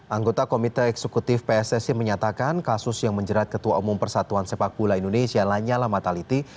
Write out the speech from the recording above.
anggota komite eksekutif pssi menyatakan kasus yang menjerat ketua umum persatuan sepak bola indonesia lanyala mataliti